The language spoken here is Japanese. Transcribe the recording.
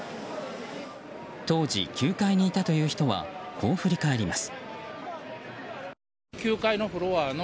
当時、９階にいたという人はこう振り返ります。